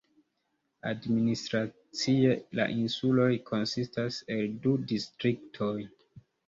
Administracie la insuloj konsistas el du distriktoj.